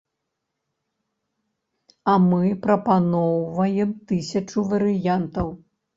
А мы прапаноўваем тысячу варыянтаў.